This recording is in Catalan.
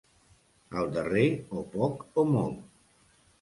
Al darrer, o poc o molt.